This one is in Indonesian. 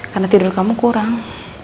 karena tidur kamu kurang